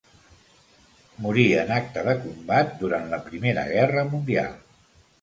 Morí en acte de combat durant la Primera Guerra Mundial.